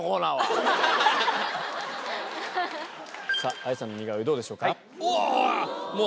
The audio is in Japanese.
ＡＹＡさんの似顔絵どうでしょうか。